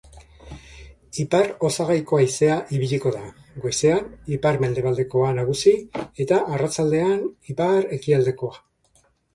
Ipar-osagaiko haizea ibiliko da, goizean ipar-mendebaldekoa nagusi eta arratsaldean ipar-ekialdekoa.